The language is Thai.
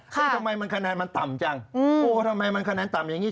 ทำไมมันคะแนนมันต่ำจังโอ้ทำไมมันคะแนนต่ำอย่างนี้